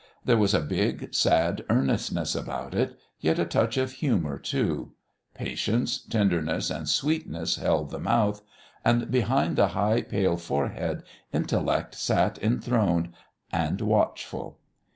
There was a big, sad earnestness about it, yet a touch of humour too; patience, tenderness, and sweetness held the mouth; and behind the high pale forehead intellect sat enthroned and watchful.